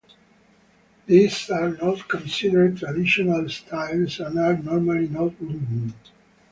These are not considered traditional styles, and are normally not written.